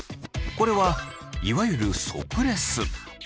これはいわゆる即レス。